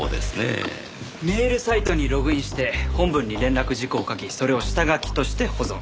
メールサイトにログインして本文に連絡事項を書きそれを下書きとして保存。